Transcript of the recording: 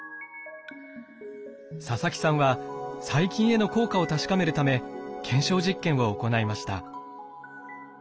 佐々木さんは細菌への効果を確かめるため検証実験を行いました。